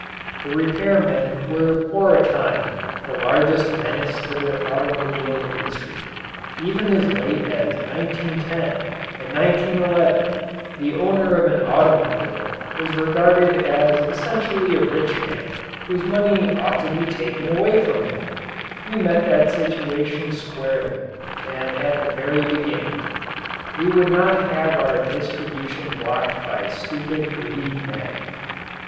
The repair men were for a time the largest menace to the automobile industry. Even as late as 1910 and 1911 the owner of an automobile was regarded as essentially a rich man whose money ought to be taken away from him. We met that situation squarely and at the very beginning. We would not have our distribution blocked by stupid, greedy men.